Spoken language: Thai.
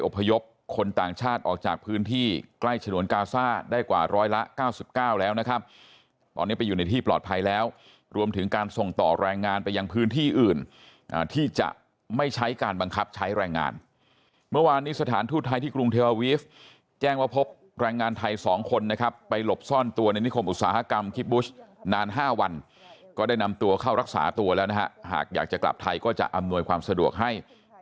ไปอยู่ในที่ปลอดภัยแล้วรวมถึงการส่งต่อแรงงานไปยังพื้นที่อื่นที่จะไม่ใช้การบังคับใช้แรงงานเมื่อวานนี้สถานทูตไทยที่กรุงเทวาวีฟแจ้งว่าพบแรงงานไทยสองคนนะครับไปหลบซ่อนตัวในนิคมอุตสาหกรรมคิบบุชนานห้าวันก็ได้นำตัวเข้ารักษาตัวแล้วนะฮะหากอยากจะกลับไทยก็จะอำนวยความสะดวกให